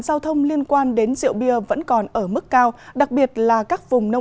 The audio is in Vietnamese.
giao thông liên quan đến rượu bia vẫn còn ở mức cao